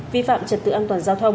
vi phạm trật tự an toàn giao thông